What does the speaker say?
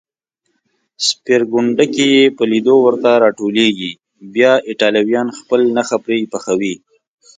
سپېرکونډکې یې په لېدو ورته راټولېږي، بیا ایټالویان خپله نښه پرې پخوي.